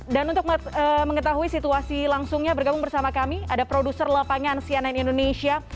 dan untuk mengetahui situasi langsungnya bergabung bersama kami ada produser lapangan cnn indonesia